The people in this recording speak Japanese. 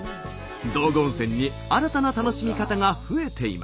道後温泉に新たな楽しみ方が増えています。